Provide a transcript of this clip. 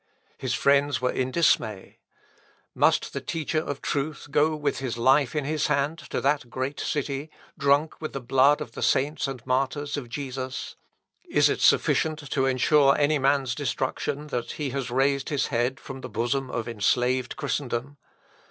His friends were in dismay. Must the teacher of truth go with his life in his hand to that great city, drunk with the blood of the saints and martyrs of Jesus? Is it sufficient to ensure any man's destruction that he has raised his head from the bosom of enslaved Christendom?